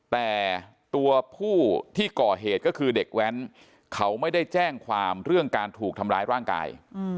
แต่ตัวผู้ที่ก่อเหตุก็คือเด็กแว้นเขาไม่ได้แจ้งความเรื่องการถูกทำร้ายร่างกาย